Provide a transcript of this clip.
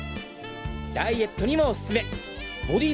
ダイエットにもおすすめボディ